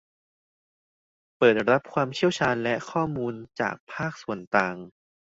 เปิดรับความเชี่ยวชาญและข้อมูลจากภาคส่วนต่าง